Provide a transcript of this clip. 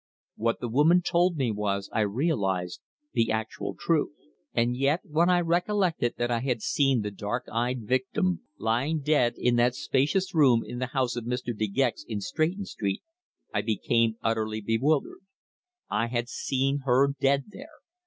What the woman told me was, I realized, the actual truth. And yet when I recollected that I had seen the dark eyed victim lying dead in that spacious room in the house of Mr. De Gex in Stretton Street, I became utterly bewildered. I had seen her dead there.